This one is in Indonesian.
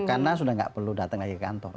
karena sudah nggak perlu datang lagi ke kantor